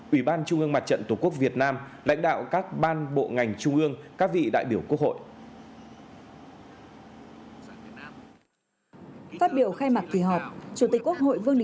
ủy ban trung ương mặt trận tổ quốc việt nam lãnh đạo các ban bộ ngành trung ương các vị đại biểu quốc hội